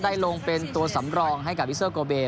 ได้ลงเป็นตัวสำรองให้กับวิเซอร์โกเบ